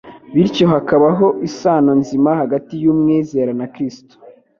Bityo hakabaho isano nzima hagati y'umwizera na Kristo;